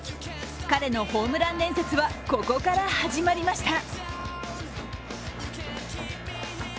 彼のホームラン伝説はここから始まりました。